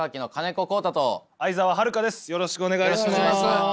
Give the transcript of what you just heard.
よろしくお願いします。